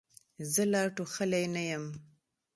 زه لا ټوخلې نه یم.